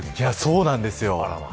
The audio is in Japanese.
そうなんですよ。